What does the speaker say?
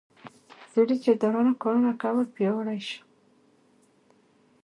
سړي چې درانه کارونه کول پياوړى شو